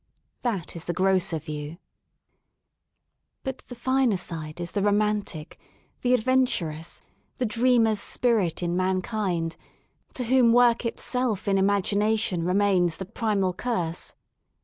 *' That is the grosser view. But the finer side is the romantic, the adventurous ^ the dreamer's spirit in mankind to whom work itself in imagination remains the primal curse.